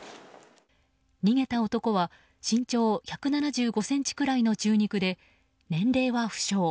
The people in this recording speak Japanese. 逃げた男は身長１７５ｃｍくらいの中肉で年齢は不詳。